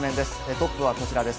トップはこちらです。